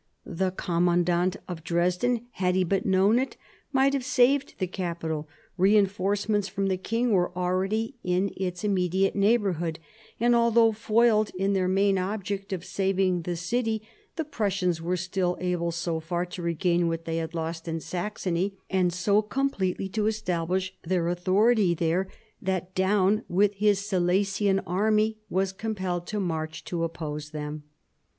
The commandant of Dresden, had he but known it, might have saved the capital; reinforcements from the king were already in its im mediate neighbourhood, and although foiled in their main object of saving the city, the Prussians were still able so far to regain what they had lost in Saxony, and so completely to establish their authority there, that Daun with his Silesian army was compelled to march to oppose them.